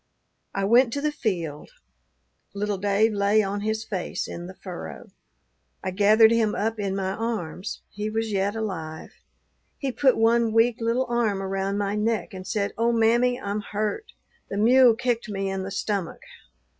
I went to the field. Little Dave lay on his face in the furrow. I gathered him up in my arms; he was yet alive; he put one weak little arm around my neck, and said, 'Oh, mammy, I'm hurt. The mule kicked me in the stomach.'